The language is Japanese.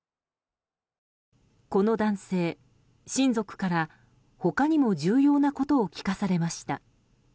この男性、親族から、他にも重要なことを聞かされました。